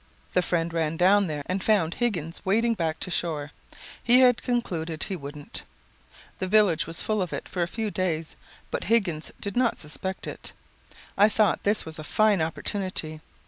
"The friend ran down there and found Higgins wading back to shore. He had concluded he wouldn't. The village was full of it for a few days, but Higgins' did not suspect it. I thought this was a fine opportunity.